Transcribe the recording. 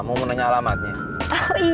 boy kamu serem asli bungalleck curly hair